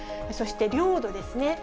そして領土ですね。